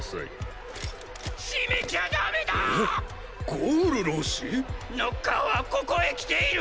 ゴウル老師⁉ノッカーはここへ来ている！！